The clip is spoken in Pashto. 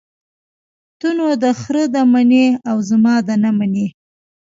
ته نو دخره ده منې او زما ده نه منې.